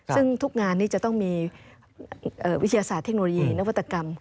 ซึ่งทุกงานนี้จะต้องมีวิทยาศาสตร์เทคโนโลยีนวัตกรรม